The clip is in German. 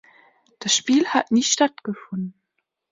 Das Spiel hat nie stattgefunden.